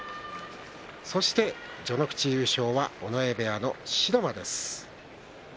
序ノ口優勝は尾上部屋の城間です。